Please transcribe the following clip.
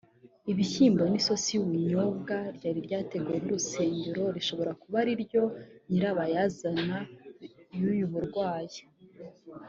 ibishyimbo n’isosi y’ubunyobwa ryari ryateguwe n’urusengero rishobora kuba ariryo nyirabayazana y’ubu burwayi